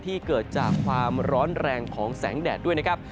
เกิดจากความร้อนแรงของแสงแดดด้วยนะครับ